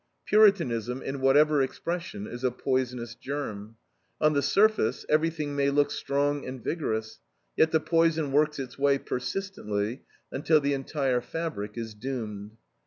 Puritanism, in whatever expression, is a poisonous germ. On the surface everything may look strong and vigorous; yet the poison works its way persistently, until the entire fabric is doomed.